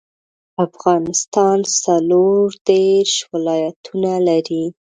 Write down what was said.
افغانستان څلوردیرش ولایاتونه لري